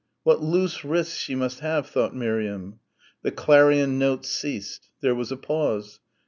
What loose wrists she must have, thought Miriam. The clarion notes ceased. There was a pause.